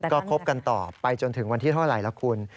ก็คบกันต่อไปจนถึงวันที่เท่าไหร่ล่ะคุณ